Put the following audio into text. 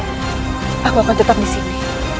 baiklah aku akan tetap disini